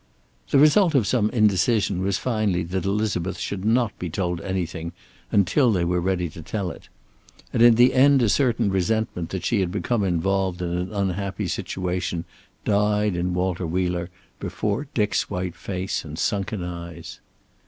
The result of some indecision was finally that Elizabeth should not be told anything until they were ready to tell it all. And in the end a certain resentment that she had become involved in an unhappy situation died in Walter Wheeler before Dick's white face and sunken eyes.